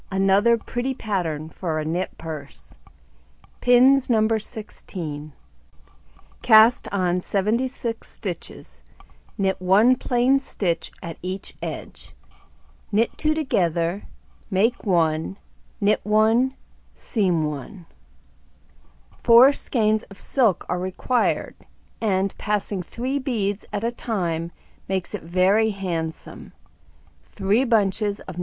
Another Pretty Pattern for a Knit Purse. Pins No. 16. Cast on 76 stitches, knit 1 plain stitch at each edge, knit 2 together, make 1, knit 1, seam 1. Four skeins of silk are required, and passing 3 beads at a time makes it very handsome: 3 bunches of No.